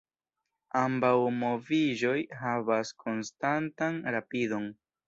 Ambaŭ moviĝoj havas konstantan rapidon.